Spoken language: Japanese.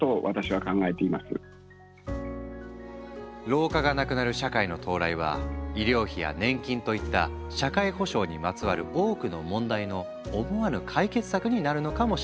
老化がなくなる社会の到来は医療費や年金といった社会保障にまつわる多くの問題の思わぬ解決策になるのかもしれない。